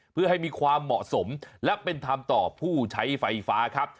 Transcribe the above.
เพื่อให้มีความเหมาะสมและเป็นธรรมต่อผู้ใช้ไฟฟ้าครับ